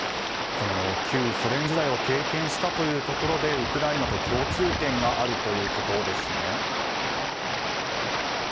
旧ソ連時代を経験したというところでウクライナと共通点があるということですね？